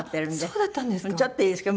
そうだったんですか？